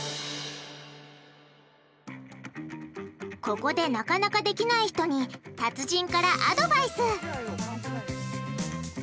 ここでなかなかできない人に達人からアドバイス！